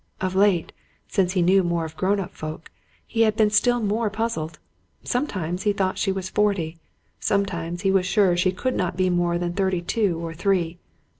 Of late, since he knew more of grown up folk, he had been still more puzzled. Sometimes he thought she was forty; sometimes he was sure she could not be more than thirty two or three.